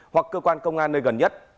hoặc cơ quan công an nơi gần nhất